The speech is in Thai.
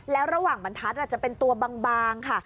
แล้วระหว่างบรรทัศน์อาจจะเป็นตัวบางค่ะ